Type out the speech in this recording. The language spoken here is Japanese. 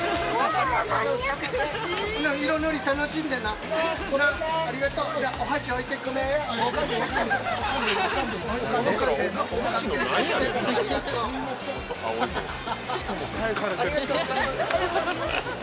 ありがとうございます。